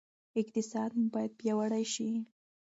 اقتصاد مو باید پیاوړی شي.